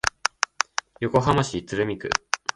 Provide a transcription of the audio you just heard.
横浜市鶴見区